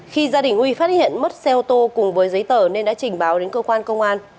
khi gia đình huy phát hiện mất xe ô tô cùng với giấy tờ nên đã trình báo đến cơ quan công an